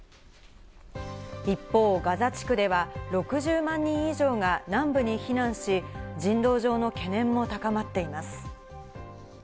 一方、ガザ地区では６０万人以上が南部に避難し、人道上の懸念も高まっています。